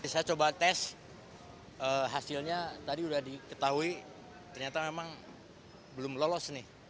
saya coba tes hasilnya tadi sudah diketahui ternyata memang belum lolos nih